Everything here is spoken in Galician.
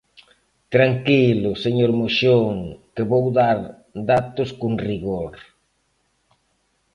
Tranquilo, señor Moxón, que vou dar datos con rigor.